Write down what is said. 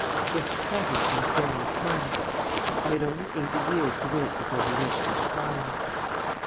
Just at present he was barely ten. I had only eighty years to wait before he reached his prime.